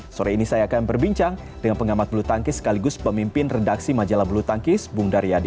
sore ini saya akan berbincang dengan pengamat bulu tangkis sekaligus pemimpin redaksi majalah bulu tangkis bung daryadi